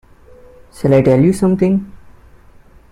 Shall I tell you something?